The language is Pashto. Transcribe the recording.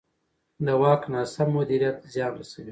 د واک ناسم مدیریت زیان رسوي